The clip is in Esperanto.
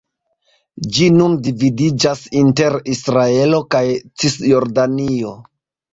Ĝi nun dividiĝas inter Israelo kaj Cisjordanio.